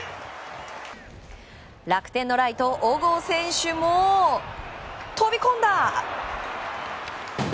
楽天のライト、小郷選手も飛び込んだ！